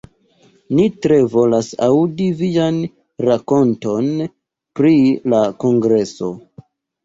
Ni tre volas aŭdi vian rakonton pri la kongreso.